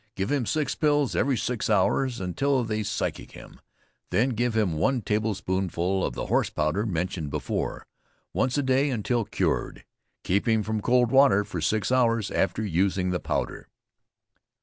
Give him six pills every six hours, until they physic him; then give him one table spoonful of the horse powder mentioned before, once a day, until cured. Keep him from cold water for six hours after using the powder.